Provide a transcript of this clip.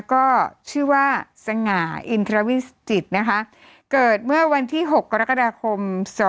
ก็ชื่อว่าสง่าอินทราวิสจิตนะคะเกิดเมื่อวันที่๖กรกฎาคม๒๕๖